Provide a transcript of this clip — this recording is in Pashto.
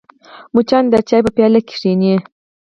مچان د چای په پیاله کښېني